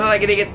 sana lagi dikit